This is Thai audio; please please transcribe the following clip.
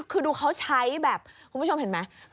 คือดูเขาใช้แบบคุณผู้ชมเห็นไหม